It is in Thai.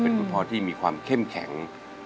เป็นคุณพ่อที่มีความเข้มแข็ง